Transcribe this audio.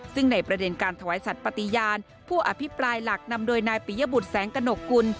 ซึ่งในประเด็นการถวายสัตว์ปฏิญาณผู้อภิปรายหลักนำโดยนายปิยบุตรแสงกระหนกกุล